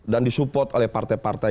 dan disupport oleh partai partai